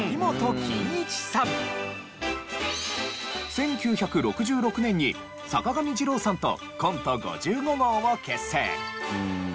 １９６６年に坂上二郎さんとコント５５号を結成。